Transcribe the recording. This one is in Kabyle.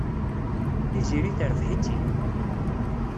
Tiziri terbeḥ-itt-id.